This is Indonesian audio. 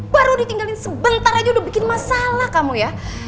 baru ditinggalin sebentar aja udah bikin masalah kamu ya